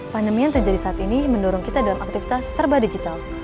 pandemi yang terjadi saat ini mendorong kita dalam aktivitas serba digital